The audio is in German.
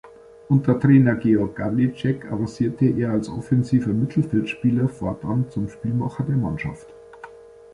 Unter Trainer Georg Gawliczek avancierte er als offensiver Mittelfeldspieler fortan zum Spielmacher der Mannschaft.